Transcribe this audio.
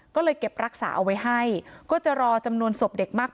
ก็เลยเก็บรักษาเอาไว้ให้ก็จะรอจำนวนศพเด็กมาก